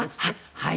はい。